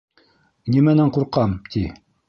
— Нимәнән ҡурҡам, ти.